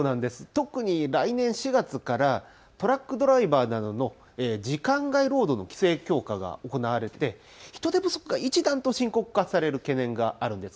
特に来年４月からトラックドライバーなどの時間外労働の規制強化が行われて人手不足が一段と深刻化される懸念があるんです。